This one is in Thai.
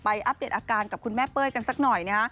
อัปเดตอาการกับคุณแม่เป้ยกันสักหน่อยนะฮะ